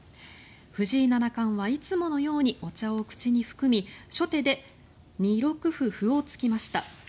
藤井七冠はいつものようにお茶を口に含み初手で２六歩を突きました。